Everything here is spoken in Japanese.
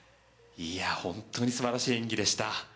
本当に素晴らしい演技でした。